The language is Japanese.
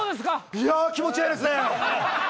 いや気持ちいいですね！